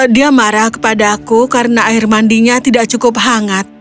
dia marah kepada aku karena air mandinya tidak cukup hangat